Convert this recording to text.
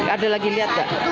ada lagi liat gak